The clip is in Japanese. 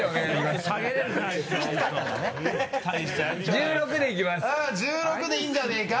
１６でいいんじゃないか。